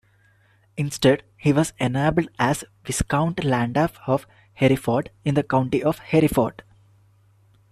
Instead he was ennobled as Viscount Llandaff of Hereford in the County of Hereford.